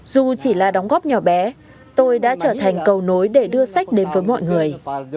dù chỉ là đóng góp nhỏ bé tôi đã trở thành cầu nối để đưa sách đến với mọi người